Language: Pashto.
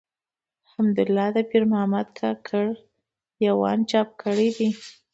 حمدالله د پيرمحمد کاکړ د ېوان چاپ کړی دﺉ.